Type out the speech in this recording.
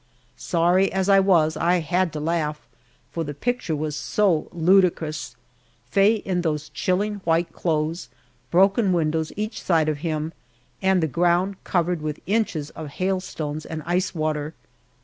Sorry as I was, I had to laugh, for the picture was so ludicrous Faye in those chilling white clothes, broken windows each side of him, and the ground covered with inches of hailstones and ice water!